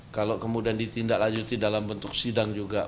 kalau kemudian ditindaklanjuti dalam bentuk sidang juga